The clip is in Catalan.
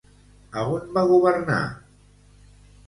A on va governar?